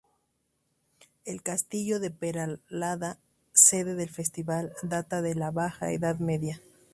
El Castillo de Peralada, sede del Festival, data de la baja edad media.